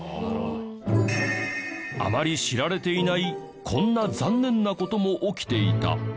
あまり知られていないこんな残念な事も起きていた。